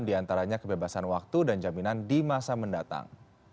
diantaranya kebebasan waktu dan jaminan di masa mendatang